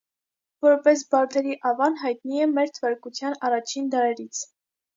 Որպես բալթերի ավան հայտնի է մեր թվարկության առաջին դարերից։